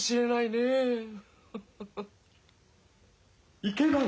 ・いけない